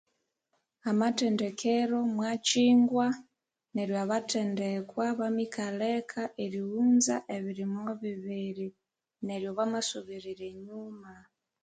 Amathendekero mwakingwa neryo abathendekwa bamikalha eka eriwunza ebirimo bibiri neryo bamasubirira enyuma